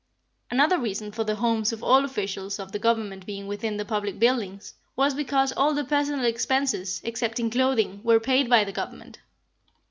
Another reason for the homes of all officials of the Government being within the public buildings, was because all the personal expenses, excepting clothing, were paid by the Government.